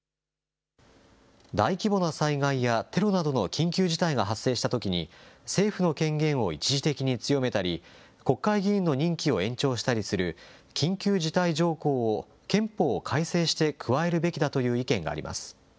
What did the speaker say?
大規模な災害やテロなどの緊急事態が発生したときに、政府の権限を一時的に強めたり、国会議員の任期を延長したりする緊急事態条項を憲法を改正して加えるべきだという意見があります。